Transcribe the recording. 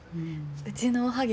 うちのおはぎ